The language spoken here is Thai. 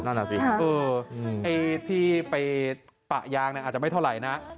น่ารักสิเออไอที่ไปปะยางเนี้ยอาจจะไม่เท่าไหร่นะ